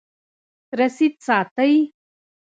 رسید ساتئ